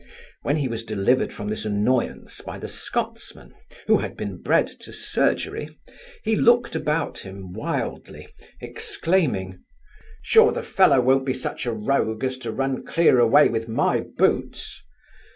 When he was delivered from this annoyance by the Scotchman, who had been bred to surgery, he looked about him wildly, exclaiming, 'Sure, the fellow won't be such a rogue as to run clear away with my boots!